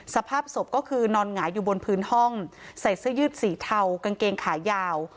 สภาพศพก็คือนอนหงายอยู่บนพื้นห้องใส่เสื้อยืดสีเทากางเกงขายาว